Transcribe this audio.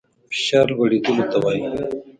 فشار لوړېدلو ته وايي.